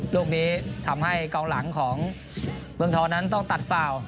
ร่วมดีทำให้กลางหลังของเมืองทรต่อตัดรวม